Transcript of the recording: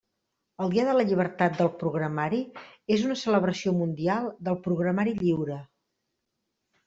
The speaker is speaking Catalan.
El Dia de la Llibertat del Programari és una celebració mundial del programari lliure.